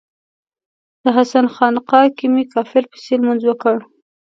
د حسن خانقا کې می کافر پسې لمونځ وکړ